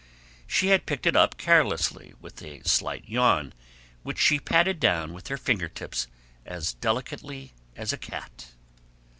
She had picked it up carelessly, with a slight yawn which she patted down with her finger tips as delicately as a cat.